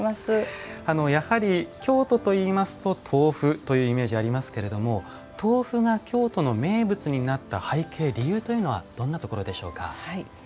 やはり京都といいますと豆腐というイメージありますけれども豆腐が京都の名物になった背景理由というのはどんなところでしょうか？